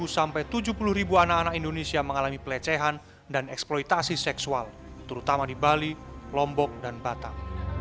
dua puluh sampai tujuh puluh ribu anak anak indonesia mengalami pelecehan dan eksploitasi seksual terutama di bali lombok dan batam